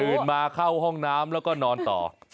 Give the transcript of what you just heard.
มาเข้าห้องน้ำแล้วก็นอนต่อ